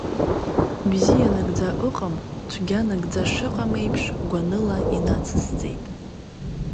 Бзиа нагӡа ыҟам, цәгьа нагӡа шыҟам еиԥш, гәаныла инацысҵеит.